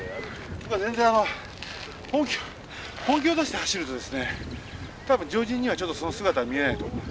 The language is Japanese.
全然あの本気本気を出して走るとですね多分常人にはちょっとその姿は見えないと思う。